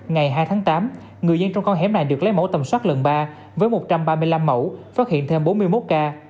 ngày hai tháng tám người dân trong con hẻm này được lấy mẫu tầm soát lần ba với một trăm ba mươi năm mẫu phát hiện thêm bốn mươi một ca